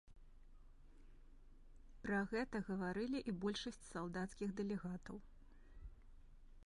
Пра гэта гаварылі і большасць салдацкіх дэлегатаў.